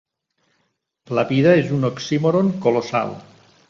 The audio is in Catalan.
La vida és un oxímoron colossal.